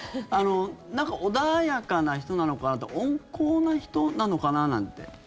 穏やかな人なのかな温厚な人なのかななんて。